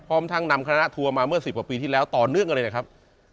พร้อมทั้งนำคณะทัวร์มาเมื่อ๑๐กว่าปีที่แล้วต่อเนื่องกันเลยนะครับ